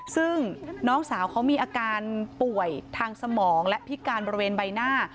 ซึ่งน้องสาวเขามีอาการป่วยทางสมองและพิการบริเวณใบหน้า